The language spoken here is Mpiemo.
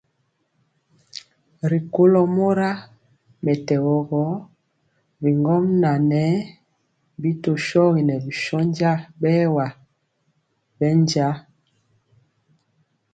Rikólo mora mɛtɛgɔ gɔ bigɔmŋa ŋɛɛ bi tɔ shogi ŋɛɛ bi shónja bɛɛwa bɛnja.